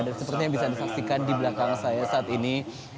dan sepertinya bisa disaksikan di belakang saya saat ini